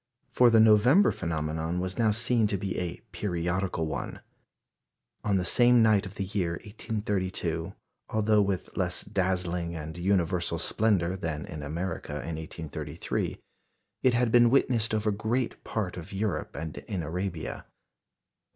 For the November phenomenon was now seen to be a periodical one. On the same night of the year 1832, although with less dazzling and universal splendour than in America in 1833, it had been witnessed over great part of Europe and in Arabia.